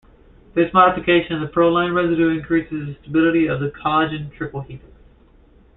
This modification of the proline residue increases the stability of the collagen triple helix.